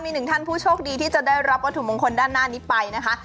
มีหนึ่งท่านผู้โชคดีที่จะได้รับวัตถุมงคลด้านหน้านี้ไปนะคะ